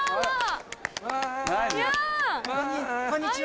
こんにちは。